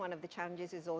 anda juga mengatakan